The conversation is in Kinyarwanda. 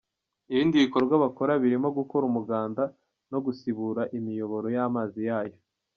Ibindi bikorwa bakora birimo gukora umuganda no gusibura imiyoboro y’amazi yayo.